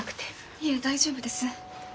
いえ大丈夫です。